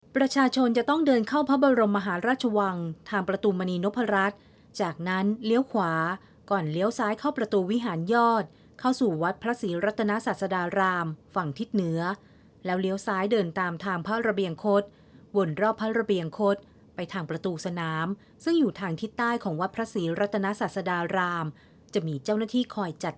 ประชาชนจะต้องเดินเข้าพระบรมมหาราชวังทางประตูมณีนพรัชจากนั้นเลี้ยวขวาก่อนเลี้ยวซ้ายเข้าประตูวิหารยอดเข้าสู่วัดพระศรีรัตนาศาสดารามฝั่งทิศเหนือแล้วเลี้ยวซ้ายเดินตามทางพระระเบียงคศวนรอบพระระเบียงคดไปทางประตูสนามซึ่งอยู่ทางทิศใต้ของวัดพระศรีรัตนศาสดารามจะมีเจ้าหน้าที่คอยจัด